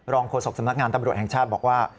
โฆษกสำนักงานตำรวจแห่งชาติบอกว่า